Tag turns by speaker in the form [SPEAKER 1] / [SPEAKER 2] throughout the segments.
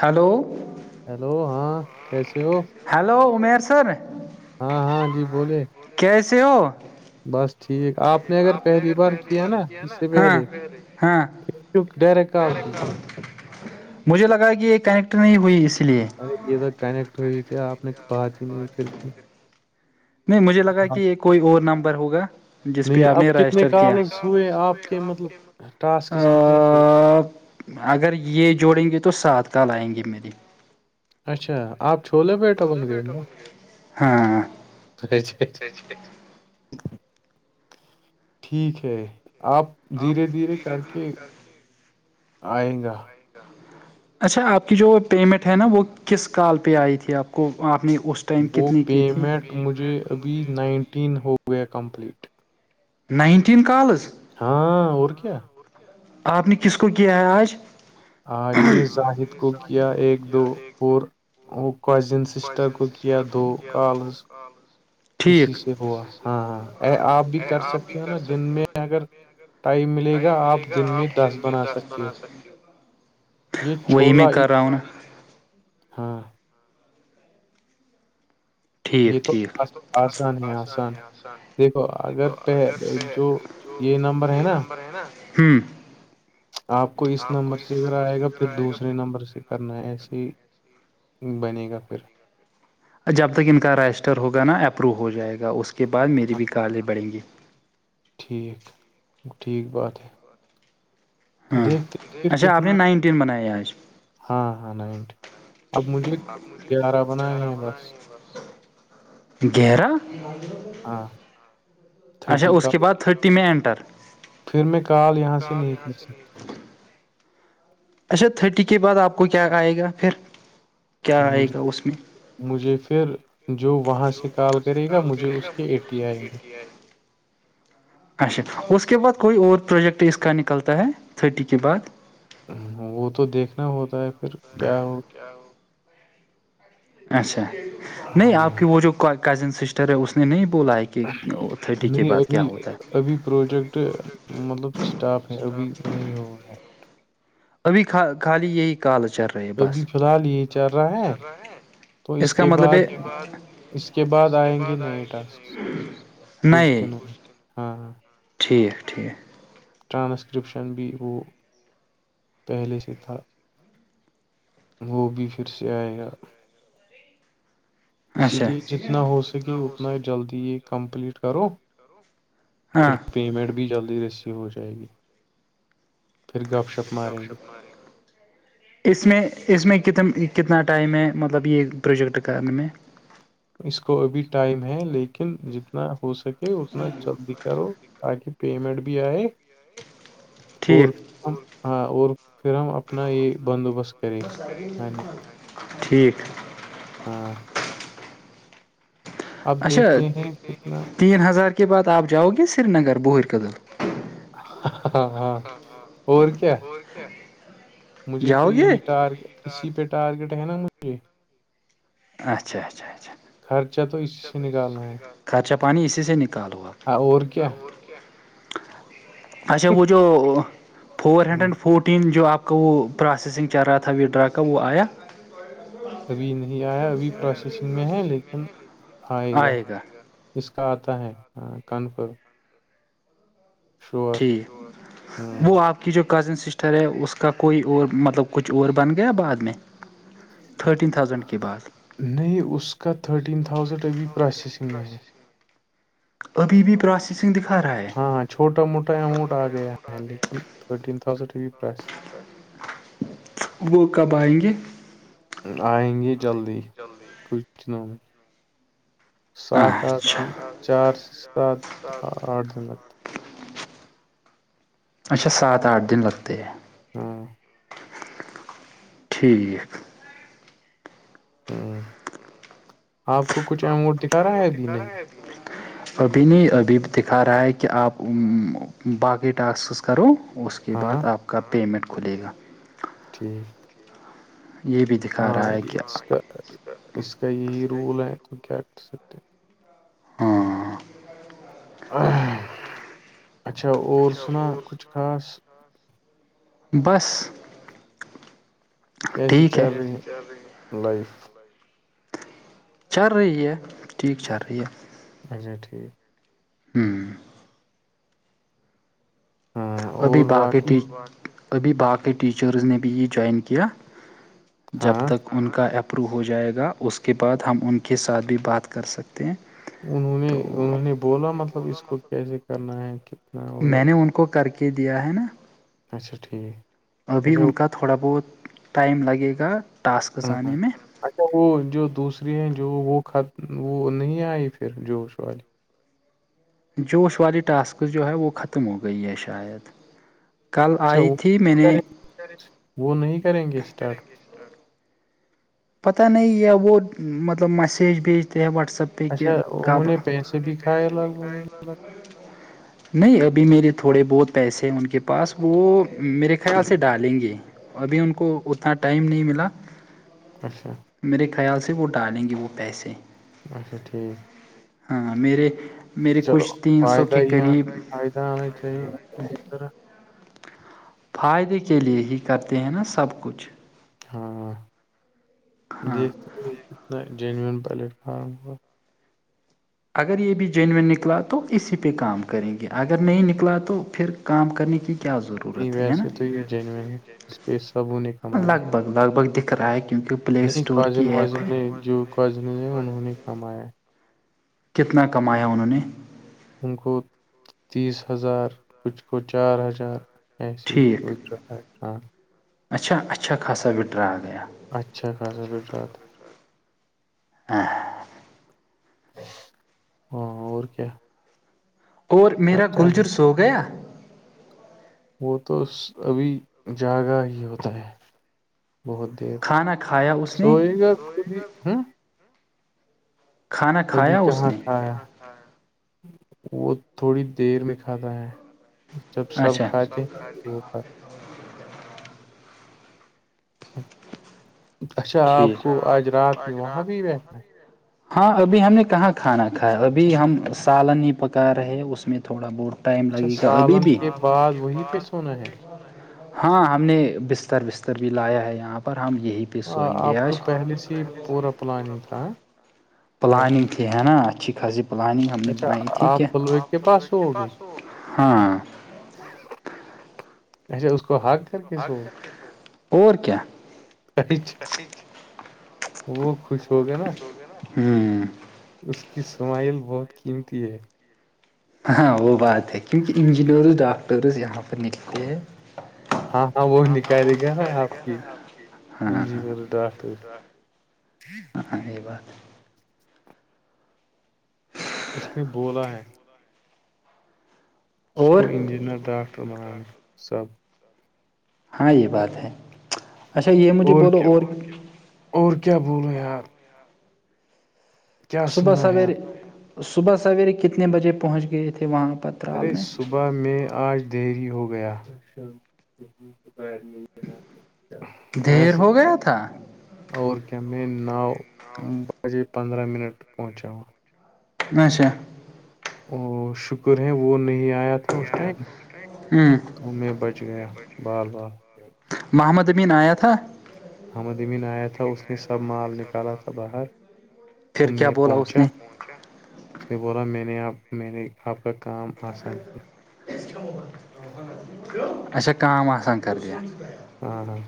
[SPEAKER 1] hello
[SPEAKER 2] hello ہاں کیسے ہو
[SPEAKER 1] ہیلو عمیر سر
[SPEAKER 2] ہاں ہاں جی بولے
[SPEAKER 1] کیسے ہو
[SPEAKER 2] بس ٹھیک آپ نے اگر پہلی بار کیا نا اس سے پہلے چ ڈائریکٹ کال کی
[SPEAKER 1] مجھے لگا کہ یہ کنیکٹ نہیں ہوئی اس لیے
[SPEAKER 2] ارے یہ تو کنیکٹ ہوئی تھی آپ نے بات
[SPEAKER 1] بچ چند نہیں مجھے لگا کہ یہ کوئی اور نمبر ہوگا جس پہ آپ نے رجسٹر کیا
[SPEAKER 2] آپ کے مطلب ٹاسکس کتنے ہو
[SPEAKER 1] اگر یہ جوڑیں گے تو سات کال آئیں گے میری
[SPEAKER 2] اچھا آپ چھولے بیٹا بن گ ہو ن ٹھیک ہے آپ
[SPEAKER 1] آپ دھیرے دھیرے کر
[SPEAKER 2] آئے گا
[SPEAKER 1] جیکا اچھا آپ کی جو پیمنٹ ہے نا وہ کس کال پہ آئی تھی آپ کو آپ نے اس ٹائم کتنی کی تھی
[SPEAKER 2] تو مجھے ابھی نائنٹین ہو گیا کمپلیٹ
[SPEAKER 1] نائنٹین کالز
[SPEAKER 2] ہاں اور کیا
[SPEAKER 1] آپ نے کس کو کیا ہے آج
[SPEAKER 2] آج میں نے اہد کو کیا ایک دو اورن
[SPEAKER 1] پزند سسٹر کو کیایا تو کالض
[SPEAKER 2] اسی سے ہوا ہاں ہاں آپ بھی کر سکتے ہو نا دن میں اگر ٹائم ملے گا آپ دن میں دس بنا سکتے ہو یہ چھولا ہاں یہ تو آسان ہے آسان دیکھو اگر جو یہ نمبر ہے نا
[SPEAKER 1] ہوں [inaudible]
[SPEAKER 2] آپ کو اس نمبر سے اگر آئے گا پھر دوسرے نمبر سے کرنا ایسے ہی بنے گا پھر
[SPEAKER 1] جب تک ان کا رجسٹر ہوگا نا اپروو ہو جائے گا اس کے بعد میری بھی کالج بڑھیں گی
[SPEAKER 2] ٹھیک ٹھیک بات ہے
[SPEAKER 1] ہاں اچھا آپ نے نائنٹین بنائے آج
[SPEAKER 2] ہاں ہاں نیںٹ [inaudible]
[SPEAKER 1] گیرا [unintelligible]
[SPEAKER 2] ہاں [inaudible]
[SPEAKER 1] اچھا اس کے بعد تھرٹی میں انٹر
[SPEAKER 2] پھر میں کال یہاں سے نیک سے
[SPEAKER 1] اچھا تھرٹی کے بعد آپ کو کیا آئے گا پھر
[SPEAKER 2] مجھ مجھے پھر جو وہاں سے کال کرے گا مجھے اس کے آئیں گی [inaudible]
[SPEAKER 1] [inaudible] اچھا اس کے بعد کوئی اور پروجیکٹ اس کا نکلتا ہے تھرٹی کے بعد
[SPEAKER 2] وہ تو دیکھنا ہوتا ہے پھر کیا ہو
[SPEAKER 1] اچھا نہیں آپ کی وہ جو کزن سسٹر ہے اس نے نہیں بولا ہے کہ
[SPEAKER 2] نہیں ابھی ابھی پروجیکٹ مطلب اسٹاف ہے ابھی نہیں ہو رہا ہے
[SPEAKER 1] ابھی خالی یہی کال اچر
[SPEAKER 2] ابھی فی الحال یہی چل رہا ہے تو اس ب اس کے بعد آئیں گے نئے ٹاسک کچھ د نہیں ہاں ہاں
[SPEAKER 1] ٹھیک ٹھیک
[SPEAKER 2] ٹرانسکرپشن بھی وہ پہلے سے تھاڑا وہ بھی پھر سے آئے گا اسی لیے جتنا ہو سکے اتنا جلدی یہ کمپلیٹ کرو
[SPEAKER 1] ہاں [inaudible]
[SPEAKER 2] پیمنٹ بھی جلدی ریسیو ہو جائے گی پھر گپ شپ ماریں گے
[SPEAKER 1] اس میں اس میں کت کتنا ٹائم ہے مطلب یہ پروجیکٹ کرنے میں
[SPEAKER 2] اس کو ابھی ٹائم ہے لیکن جتنا ہو سکے اتنا جلدی کرلو تاکہ پیمنٹ بھی آ اور ہم ہاں اور پھر ہم اپنا یہ بندوبست کریں
[SPEAKER 1] ٹھیک
[SPEAKER 2] ہاں [inaudible]
[SPEAKER 1] اچھا تین ہزار کے بعد آپ جاؤ گے سری نگر بہر کدل
[SPEAKER 2] ہاں ہاں [inaudible] اور کیا مجھے تو یہی ٹارگ اسی پہ ٹارگیٹ ہے نا مجھے
[SPEAKER 1] اچھا اچھا اچھا
[SPEAKER 2] خرچہ تو اسی سے نکالنا ہے
[SPEAKER 1] خرچہ پانی اسی سے نکال ہوا
[SPEAKER 2] ہاں اور کیا
[SPEAKER 1] اچا وہ جو جو فور ہنڈریڈ فورٹین جو آپ کا وہ پروسیسنگ چل رہا تھا وڈرا کا وہ آیا
[SPEAKER 2] ابھی نہیں آیا ابھی پروسیسنگ میں ہے لیکن آئے گا اس کا آتا ہے ہاں کانفر
[SPEAKER 1] ٹھیک وہ آپ کہ جو کزن سسٹر ہے اس کا کوئی اور مطلب کچھ اور بن گیا بعد میں تھرٹین تھاؤزنڈ کے بعد
[SPEAKER 2] نہیں اس کا تھرٹین تھاؤزینڈ ابھی پروسیسنگ میں ہے
[SPEAKER 1] ابھی بھی پروسیسنگ دکھا رہا ہے
[SPEAKER 2] ہاں چھوٹا موٹا اماؤنٹ آ گیا ہے لیکن تھرٹین تھاؤزینڈ ابھی پراسی
[SPEAKER 1] وہ کب آئیں گے
[SPEAKER 2] آئیں گی جلدی
[SPEAKER 1] چلدی
[SPEAKER 2] کچھنا ہے سات آٹھ چار سے سات آٹھ دنت
[SPEAKER 1] اچھا سات آٹھ دن لگتے ہیں
[SPEAKER 2] ہاں
[SPEAKER 1] ٹھیک
[SPEAKER 2] آپ کو کچھ اموٹ دکھا رہا ہے ابھی نہیں
[SPEAKER 1] ج ابھی نہیں ابھی بھی دکھا رہا ہے کہ آپ باقی ٹاسکس کرو اس اس کے بعد آپ کا پیمٹ کھلے گا
[SPEAKER 2] ٹھیک
[SPEAKER 1] یہ بھیج
[SPEAKER 2] ہاں یہ اس کا اس کا یہی رول ہے تو کیا کر سکتے ہیں
[SPEAKER 1] ہاں
[SPEAKER 2] اچھا اور سنا کچھ خاص
[SPEAKER 1] بس
[SPEAKER 2] کیسی چل رہی ہے لائف
[SPEAKER 1] چل رہی ہے ٹھیک چل رہی ہے
[SPEAKER 2] اچھا ٹھیک
[SPEAKER 1] ہوں ابھی باقی ابھی باقی ٹیچرز نے بھی یہ جوائن کیا جب تک ان کا اپرو ہو جائے گا اس کے بعد ہم ان کے ساتھ بھی بات کر سکیں
[SPEAKER 2] انہوں نے انہوں نے بولا مطلب اس کو کیسے کرنا ہے کہ
[SPEAKER 1] میں نے ان کو کر کے دیا ہے نا
[SPEAKER 2] اچھا ٹھیک
[SPEAKER 1] ابھی ان کا تھوڑا بہت ٹائم لگے گا ٹاسکز آانے میں
[SPEAKER 2] اچھا وہ جو دوسری ہیں جو وہ خط وہ نہیں آئی پھر جوش والی
[SPEAKER 1] جوش والی ٹاسک جو ہے وہ ختم ہو گئی ہے شاید کل آئی تھی میں نے
[SPEAKER 2] وہ نہیں کریں گے اسٹارٹ
[SPEAKER 1] ہاں پتہ نہیں ہے وہ مطلب میسیج بھیجتے ہیں واٹس ایپ
[SPEAKER 2] اچا ان نے نے پیسے بھی کھائےیا لگ بھ مجھے
[SPEAKER 1] نہیں ابھی میرے تھوڑے بہت پیسے ہیں ان کے پاس وہ میرے خیال سے ڈالیں گے ابھی ان کو اتنا ٹائم نہیں ملا
[SPEAKER 2] اچھا
[SPEAKER 1] میرے خیال سے وہ ڈالیں گے وہ پیسے
[SPEAKER 2] اچھا ٹھیک
[SPEAKER 1] ہاں میرے میرے کچھ تین سو کے قریب
[SPEAKER 2] جنا چاہیے جدھر
[SPEAKER 1] فائدے کے لیے ہی کرتے ہیں نا سب کچھ
[SPEAKER 2] ہاں دیکھتے کتنا جینون پلیٹفارم ہو
[SPEAKER 1] اگر یہ بھی جینوون نکلا تو اسی پہ کام کریں گے اگر نہیں نکلا تو پھر کام کرنے کی
[SPEAKER 2] نہیں ویسے تو یہ جینوون ہے اس پہ سب انہیں کمایا
[SPEAKER 1] لگ بگ دکھ رہا ہے کیونکہ
[SPEAKER 2] نہیں کاجن وازن نے جو کاجن ہیں انہوں نے کمایا ہے
[SPEAKER 1] کتنا کمایا انہوں نے
[SPEAKER 2] ہم کو تیس ہزار کچھ کو چار ہزار ایسے ہی ہو رہ خان
[SPEAKER 1] اچھا اچھا خاصا وڈرا آ گیا
[SPEAKER 2] اچھا خاضہ بجرات
[SPEAKER 1] ہاں
[SPEAKER 2] ہاں اور کیا
[SPEAKER 1] اور میرا گلجر سو گیا
[SPEAKER 2] وہ تو ابھی جاگہ ہی ہوتا ہے بہت ٹھ سوئی گا خب ابھی کہاں کھایا وہ تھوڑی دیر میں کھاتا ہے جب سب کھاتے ہیں وہ کھات
[SPEAKER 1] ٹھیکھا آپ کو آج رات میں وہاں بھی ہاں ابھی ہم نے کہاں کھانا کھا ابھی ہم سالن ہی پکا رہے اس میں تھوڑا
[SPEAKER 2] اچھا سالن کے بعد وہیں پہ سونا ہے
[SPEAKER 1] ہاں ہم نے بستر بستر بھی لایا ہے یہاں پر ہم یہی پہ
[SPEAKER 2] آپ کو پہلے سے ہی پورا پلاننگ تھا بیٹھنے کی
[SPEAKER 1] ہے نا اچھی خاصی پلاننگ ہم نے بنائی تھی کیا ہاں
[SPEAKER 2] اچھا اس کو حق
[SPEAKER 1] اور کیا
[SPEAKER 2] وہ خوش ہو گئے نا
[SPEAKER 1] ہوں
[SPEAKER 2] اس کی سمائل بہت قیمتی ہے
[SPEAKER 1] ہاں وہ بات ہے کیونکہ انجینئرز ڈاکٹرز یہاں پر نلتے ہیں
[SPEAKER 2] ہاں ہاں وہ نکالے گا نا آپ کی انجینئر ڈاکٹر جی [unintelligible]
[SPEAKER 1] ہ یہ بات [unintelligible]
[SPEAKER 2] اس نے بولا ہے س گو انجینئر ڈاکٹر بنانے سب
[SPEAKER 1] ہاں یہ بات ہے
[SPEAKER 2] اور کیا اور کیا بولو یار
[SPEAKER 1] صبح سویرے صبح سویرے کتنے بجے پہنچ گئے تھے وہاں پر
[SPEAKER 2] ارے صبح میں آج دیری ہو گیا اس [unintelligible] اور کیا م نو بجے پندرہ منٹ پہنچاں
[SPEAKER 1] اچھا
[SPEAKER 2] [unintelligible] تو میں بچ گیا بال بال
[SPEAKER 1] محمد امین آیا تھا
[SPEAKER 2] ححمد امین آیا تھا اس نے سب مال نکالا تھا باہر تو میں پہنچا اس نے بولا میں نے آپ میںی نے آپر کام آان کی
[SPEAKER 1] اچھا کا آان کر د
[SPEAKER 2] ہاں ہاں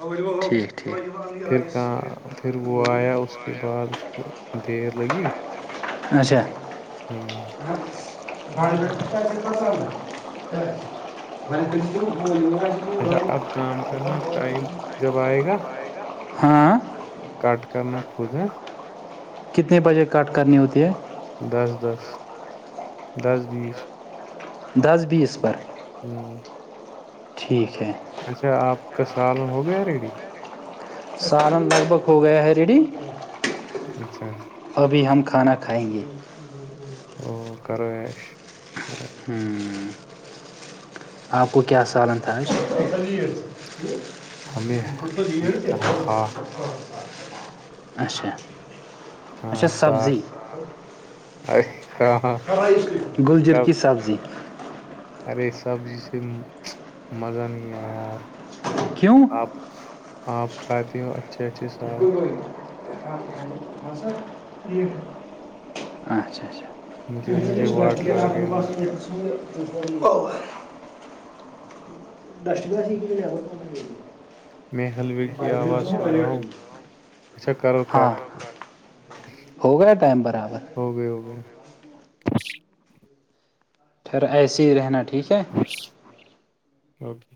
[SPEAKER 1] اورے س اچھا بتا
[SPEAKER 2] اچھا اب کام کرنا ٹائم جب آئے گا
[SPEAKER 1] ہاں
[SPEAKER 2] کٹ کرنا خھودا
[SPEAKER 1] کتنے بجے کٹ کرنی ہوتی ہے
[SPEAKER 2] دس دس دس بیس
[SPEAKER 1] دس بیس پر
[SPEAKER 2] ہوں
[SPEAKER 1] ٹھیک ہے
[SPEAKER 2] اچھا آپ کا سال ہو گیا ریڈی
[SPEAKER 1] سالن لگ بھگ ہو گیا ہے ریڈی
[SPEAKER 2] اچھا اا
[SPEAKER 1] ابھی ہم کھانا کھائیں گے
[SPEAKER 2] کرو ایش یا
[SPEAKER 1] ہ آپ کو کیا سالن تھا اچھا
[SPEAKER 2] ہاں ساخ ا
[SPEAKER 1] گلجر کی سبزی
[SPEAKER 2] ارے سبزی سے مزہ نہیں آ یار
[SPEAKER 1] کیوں
[SPEAKER 2] آ آپ کھاتے ہو اچھا
[SPEAKER 1] گ ب اچھا اچھا بس درشٹیا ہاں ہو گیا ٹم برابر
[SPEAKER 2] ہو گیا ہو گیا
[SPEAKER 1] پھر ایسے ہی رہنا ٹھیک ہے
[SPEAKER 2] اوکے